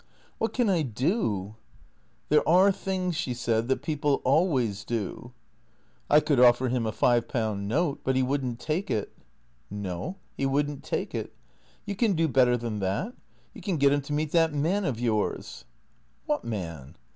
" What can I do ?"" There are things," she said, " that people always do." " I could offer him a five pound note ; but he would n't take it." " No. He would n't take it. You can do better than that. You can get him to meet that man of yours." " What man